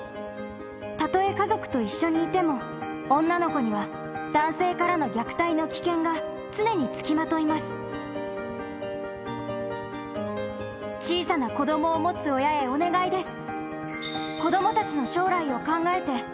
たとえ家族と一緒にいても女の子には男性からの虐待の危険が常に付きまといます・・小さな子供を持つ親へお願いです・